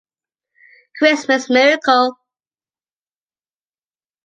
Christmas miracle.